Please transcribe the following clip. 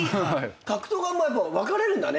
格闘家も分かれるんだね。